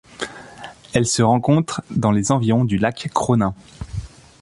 Elle se rencontre dans les environs du lac Cronin.